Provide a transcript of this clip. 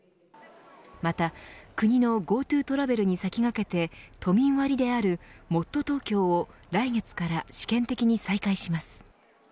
また国のＧｏＴｏトラベルに先駆けて都民割であるもっとＴｏｋｙｏを来月から試験的に再開します。